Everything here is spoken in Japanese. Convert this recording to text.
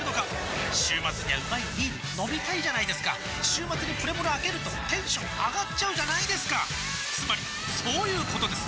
週末にはうまいビール飲みたいじゃないですか週末にプレモルあけるとテンション上がっちゃうじゃないですかつまりそういうことです！